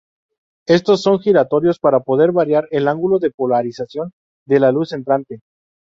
Estos son giratorios para poder variar el ángulo de polarización de la luz entrante.